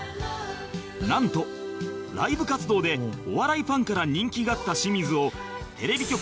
なんとライブ活動でお笑いファンから人気があった清水を